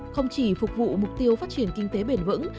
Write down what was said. không chỉ phục vụ mục tiêu phát triển kinh tế bền vững